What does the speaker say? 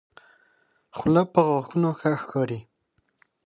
خله په غاښو ښه ښکاري.